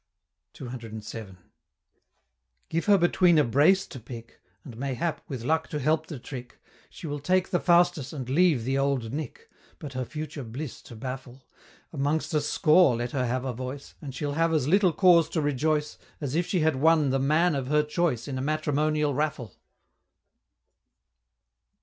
CCVII. Give her between a brace to pick, And, mayhap, with luck to help the trick, She will take the Faustus, and leave the Old Nick But her future bliss to baffle, Amongst a score let her have a voice, And she'll have as little cause to rejoice, As if she had won the "Man of her choice" In a matrimonial raffle!